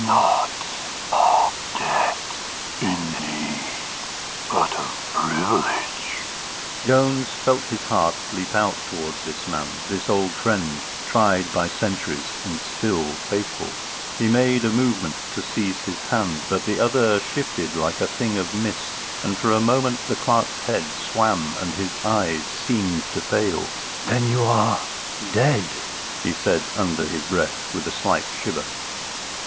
"Not of debt, indeed, but of privilege." Jones felt his heart leap out towards this man, this old friend, tried by centuries and still faithful. He made a movement to seize his hand. But the other shifted like a thing of mist, and for a moment the clerk's head swam and his eyes seemed to fail. "Then you are dead?" he said under his breath with a slight shiver.